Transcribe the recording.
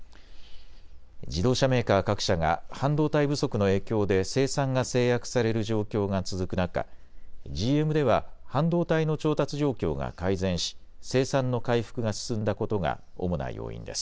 自動車メーカー各社が半導体不足の影響で生産が制約される状況が続く中、ＧＭでは半導体の調達状況が改善し生産の回復が進んだことが主な要因です。